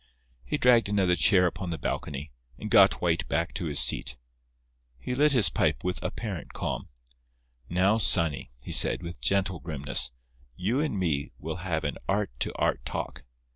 He dragged another chair upon the balcony, and got White back to his seat. He lit his pipe with apparent calm. "Now, sonny," he said, with gentle grimness, "you and me will have an Art to Art talk.